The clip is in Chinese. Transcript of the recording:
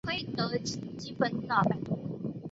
目前的行政总监为摩尔多瓦的。